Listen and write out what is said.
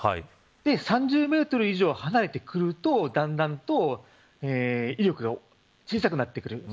３０メートル以上離れてくるとだんだんと威力が小さくなってくる。